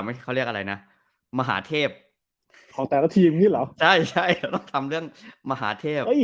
เขาเรียกอะไรนะมหาเทพของแต่ละทีมนี่เหรอใช่ใช่ต้องทำเรื่องมหาเทพ